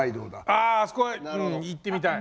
ああそこは行ってみたい。